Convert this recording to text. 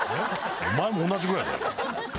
お前も同じぐらいだよ。